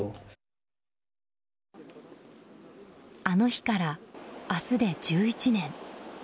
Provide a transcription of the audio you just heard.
あの日から、明日で１１年。